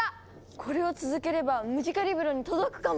これを続ければムジカリブロに届くかも！